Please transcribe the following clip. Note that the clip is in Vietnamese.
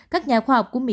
các nhà khoa học của mỹ